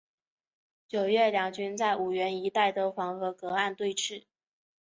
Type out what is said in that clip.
九月两军在五原一带的黄河隔岸对峙。